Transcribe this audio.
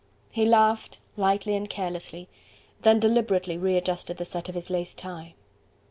He laughed lightly and carelessly, then deliberately readjusted the set of his lace tie.